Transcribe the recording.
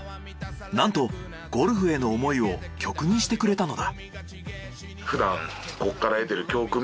なんとゴルフへの思いを曲にしてくれたのだ。